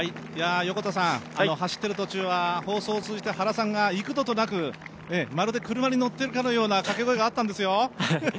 横田さん、走ってる途中は放送を通じて原さんが幾度となく、まるで車に乗っているかのようなかけ声があったんですよ。